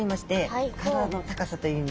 体の高さという意味で。